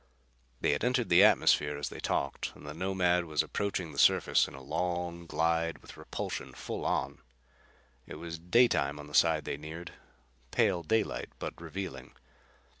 They had entered the atmosphere as they talked and the Nomad was approaching the surface in a long glide with repulsion full on. It was daytime on the side they neared. Pale daylight, but revealing.